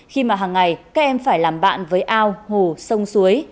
khi mà hàng ngày các em phải làm bạn với ao hồ sông suối